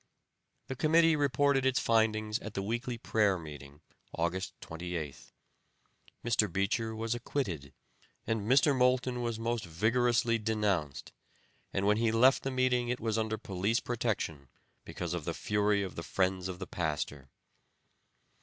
The committee reported its findings at the weekly prayer meeting, August 28th. Mr. Beecher was acquitted, and Mr. Moulton was most vigorously denounced, and when he left the meeting it was under police protection, because of the fury of the friends of the pastor.